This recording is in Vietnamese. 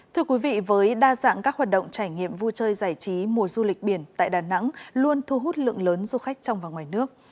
thưa quý vị với đa dạng các hoạt động trải nghiệm vui chơi giải trí mùa du lịch biển tại đà nẵng luôn thu hút lượng lớn du khách trong và ngoài nước